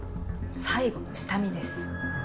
最後の下見です。